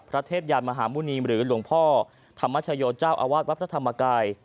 เทพยานมหาหมุณีหรือหลวงพ่อธรรมชโยเจ้าอาวาสวัดพระธรรมกาย